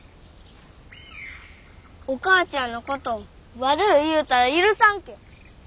お母ちゃんのこと悪う言うたら許さんけん。